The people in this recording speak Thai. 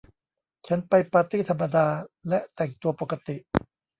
ฉันไปปาร์ตี้ธรรมดา และแต่งตัวปกติ